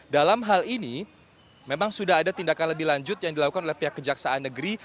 dalam hal ini memang sudah ada tindakan lebih lanjut yang dilakukan oleh pihak kejaksaan negeri